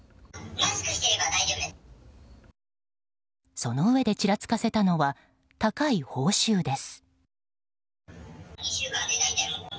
そのうえでちらつかせたのは高い報酬です。